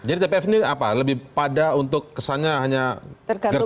jadi tpf ini apa lebih pada untuk kesannya hanya gertakan politik